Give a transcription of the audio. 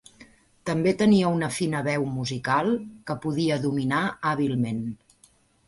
També tenia una fina veu musical, que podia dominar hàbilment.